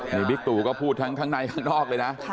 นี่อีซีก็พูดทั้งทั้งในคล้างนอกเลยนะ